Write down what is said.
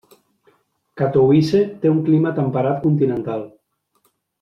Katowice té un clima temperat continental.